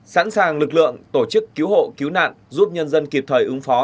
sẵn sàng lực lượng tổ chức cứu hộ cứu nạn giúp nhân dân kịp thời ứng phó